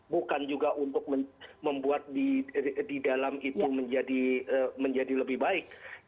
bukan juga untuk membuat di dalam itu menjadi lebih baik